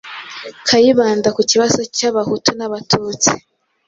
Kayibanda ku kibazo cy’abahutu n’abatutsi,